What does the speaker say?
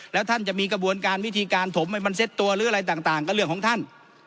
แล้วท่านจะมีกระบวนการวิธีการถมให้มันเซ็ตตัวหรืออะไรต่างก็เรื่องของท่าน